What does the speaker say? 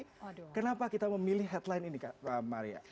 kenapa kita memilih headline ini pak maria